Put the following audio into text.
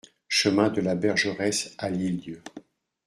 Chemin de la Bergeresse à L'Île-d'Yeu